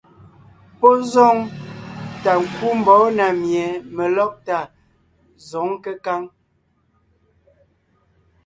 Pɔ́ zoŋ tà ńkú mbɔ̌ na mie melɔ́gtà zǒŋ kékáŋ.